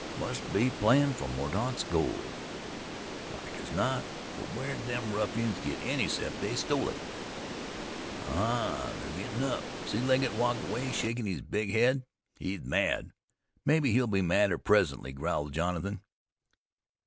"Must be playin' fer Mordaunt's gold." "Like as not, for where'd them ruffians get any 'cept they stole it." "Aha! They're gettin' up! See Legget walk away shakin' his big head. He's mad. Mebbe he'll be madder presently," growled Jonathan.